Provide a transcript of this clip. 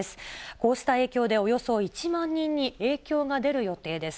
こうした影響で、およそ１万人に影響が出る予定です。